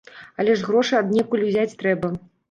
Але ж грошы аднекуль узяць трэба.